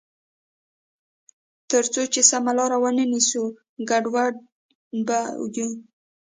تر څو چې سمه لار ونه نیسو، ګډوډ به یو.